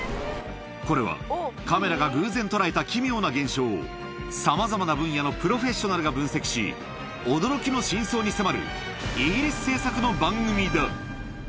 これは、カメラが偶然捉えた奇妙な現象を、さまざまな分野のプロフェッショナルが分析し、驚きの真相に迫る、イギリス制作の番組だ。